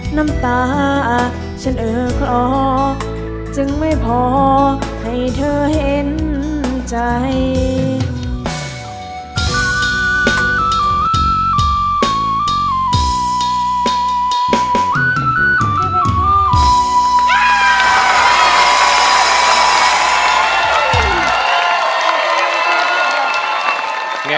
น้ำตาฉันเออคลอจึงไม่พอให้เธอเห็นใจ